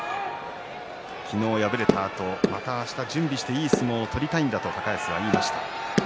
昨日敗れたあと、またあした準備していい相撲を取りたいんだと高安は言いました。